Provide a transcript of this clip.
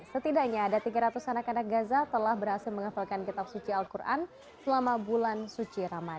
setidaknya ada tiga ratus anak anak gaza telah berhasil menghafalkan kitab suci al quran selama bulan suci ramadan